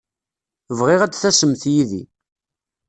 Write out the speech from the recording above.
Bɣiɣ ad tasemt yid-i.